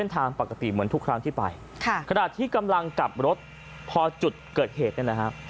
ทางปกติเหมือนทุกครั้งที่ไปค่ะขณะที่กำลังกลับรถพอจุดเกิดเหตุเนี่ยนะฮะ